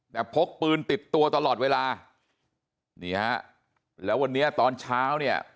แต่พกปืนติดตัวตลอดเวลานี่ฮะแล้ววันนี้ตอนเช้าเนี่ย